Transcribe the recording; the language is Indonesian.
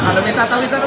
kalau misal tau bisa tuh